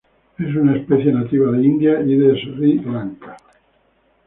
Es una especie nativa de India y de Sri Lanka.